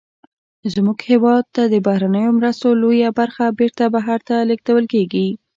زمونږ هېواد ته د بهرنیو مرستو لویه برخه بیرته بهر ته لیږدول کیږي.